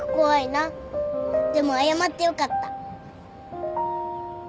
でも謝ってよかった。